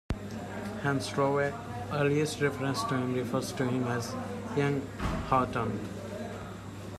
Henslowe's earliest reference to him refers to him as "young" Haughton.